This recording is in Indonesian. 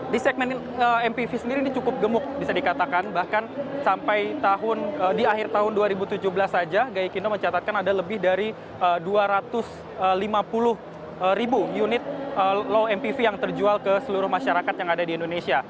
di segmen mpv sendiri ini cukup gemuk bisa dikatakan bahkan sampai di akhir tahun dua ribu tujuh belas saja gaikindo mencatatkan ada lebih dari dua ratus lima puluh ribu unit low mpv yang terjual ke seluruh masyarakat yang ada di indonesia